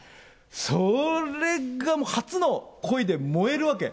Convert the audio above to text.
それがもう、初の恋で燃えるわけ。